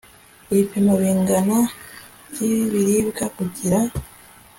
ibipimo bingana by'ibiribwa kugira